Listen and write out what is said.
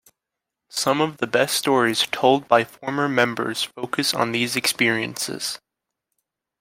Some of the best stories told by former members focus on these experiences.